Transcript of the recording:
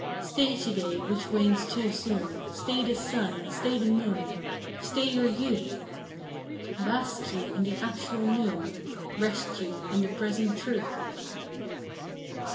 Stay to day which wanes too soon, Stay the sun and stay the moon, Stay your youth ; Bask you in the actual noon, Rest you in the present truth.